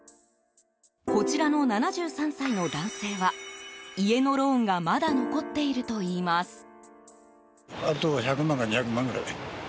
こちらの７３歳の男性は家のローンがまだ残っているといいます。